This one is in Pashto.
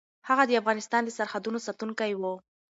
هغه د افغانستان د سرحدونو ساتونکی و.